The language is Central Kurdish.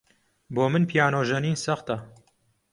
بۆ من پیانۆ ژەنین سەختە.